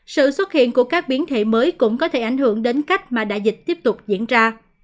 sự xuất hiện của các biến thể mới cũng có thể ảnh hưởng đến cách mà đại dịch tiếp tục diễn ra